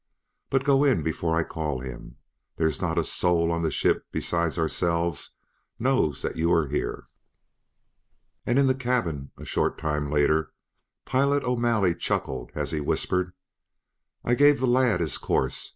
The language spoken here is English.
But go in before I call him; there's not a soul on the ship besides ourselves knows that you're here." And, in the cabin a short time later, Pilot O'Malley chuckled as he whispered: "I gave the lad his course.